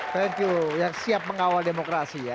thank you yang siap mengawal demokrasi ya